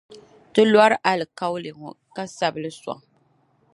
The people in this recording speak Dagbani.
ti lɔri alikauli ŋɔ, ka sabi li sɔŋ.